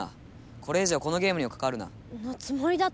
これ以上このゲームにも関わるな。のつもりだった！